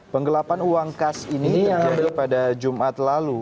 penggelapan uang khas ini terjadi pada jumat lalu